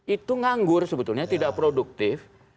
itu nganggur sebetulnya tidak produktif